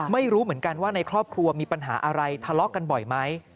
ไม่รู้เหมือนกันว่าในครอบครัวมีปัญหาอะไรทะเลาะกันบ่อยไหม